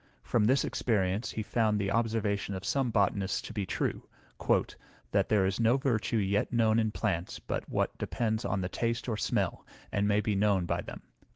From this experience he found the observation of some botanists to be true, "That there is no virtue yet known in plants but what depends on the taste or smell, and may be known by them."